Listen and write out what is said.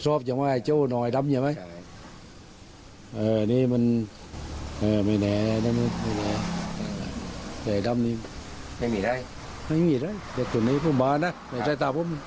แต่เดิมไม่มีได้พูดมานะ